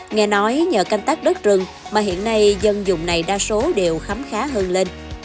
nghe nói nhờ canh tác đất rừng mà hiện nay dân dùng này đa số đều khám khá hơn lên